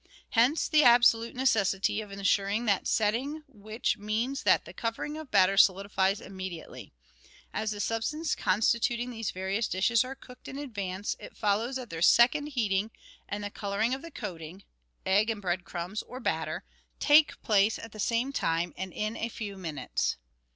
Hence the absolute necessity of ensuring that setting which means that the covering of batter solidifies immediately. As the sub stances constituting these various dishes are cooked in advance, it follows that their second heating and the colouring of the coating {egg and bread crumbs or batter) take place at the same time and in a few minutes.